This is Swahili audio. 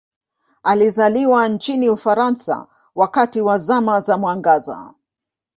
Alizaliwa nchini Ufaransa wakati wa Zama za Mwangaza.